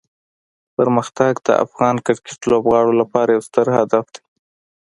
پرمختګ د افغان کرکټ لوبغاړو لپاره یو ستر هدف دی.